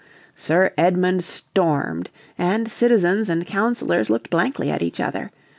Sir Edmund stormed, and citizens and councilors looked blankly at each other.